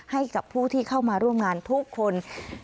ให้กับผู้ที่เข้ามาร่วมงานทุกคน